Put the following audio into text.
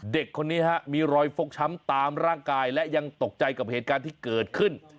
เด็กคนนี้มีรอยฟกช้ำตามร่างกายและยังตกใจกับเหตุการณ์ที่เกิดขึ้น